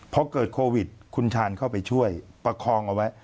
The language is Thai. พอเกิดโควิดคุณชาญเข้าไปช่วยประคองเอาไว้